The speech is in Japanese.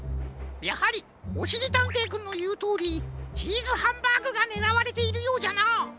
やはりおしりたんていくんのいうとおりチーズハンバーグがねらわれているようじゃな。